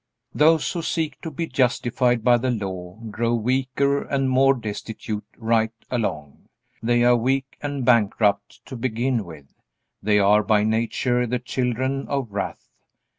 Those who seek to be justified by the Law grow weaker and more destitute right along. They are weak and bankrupt to begin with. They are by nature the children of wrath.